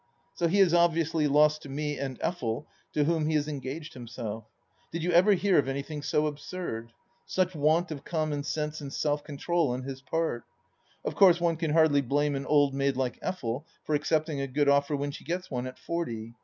So he is obviously lost to me and Effel, to whom he has engaged himself. Did you ever hear of anything so absurd ? Such want of common sense and self control on his part I Of course one can hardly blame an old maid like Effel for accepting a good offer when she gets one, at forty.